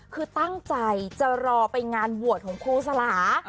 คือตั้งใจจะรอไปงานบวชของครูสลา